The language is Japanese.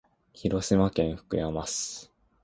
広島県福山市